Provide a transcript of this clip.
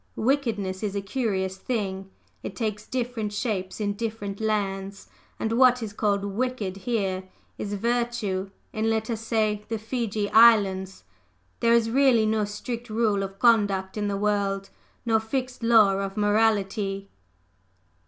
Wickedness is a curious thing: it takes different shapes in different lands, and what is called 'wicked' here, is virtue in, let us say, the Fiji Islands. There is really no strict rule of conduct in the world, no fixed law of morality."